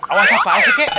awas apaan sih kek